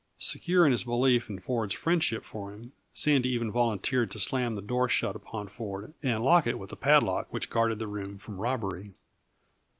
Secure in his belief in Ford's friendship for him, Sandy even volunteered to slam the door shut upon Ford and lock it with the padlock which guarded the room from robbery.